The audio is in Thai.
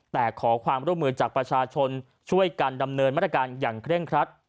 แต่ขอความร่วมมือจากประชาชนช่วยกันดำเนินมาตรการอย่างเคร่งครัด